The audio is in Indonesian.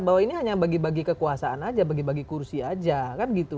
bahwa ini hanya bagi bagi kekuasaan aja bagi bagi kursi aja kan gitu